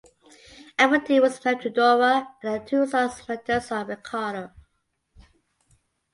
Amadeu was married to Dora and had two sons Mateus and Ricardo.